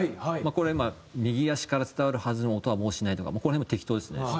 これ「右足から伝わるはずの音はもうしない」とかこの辺は適当ですね。